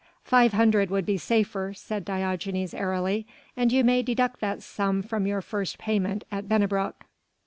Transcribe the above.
"Five hundred would be safer," said Diogenes airily, "and you may deduct that sum from your first payment at Bennebrock."